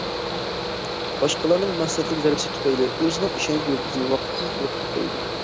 باشقىلارنىڭ مەقسەتلىك زەربىسى تۈپەيلى، ئۆزىنىڭ ئىشەنچ يۇلتۇزىنى ۋاقىتسىز يوقىتىپ قويىدۇ.